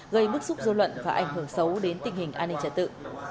gây bức xúc dâu luận và ảnh hưởng xấu đến tình hình an ninh trả tự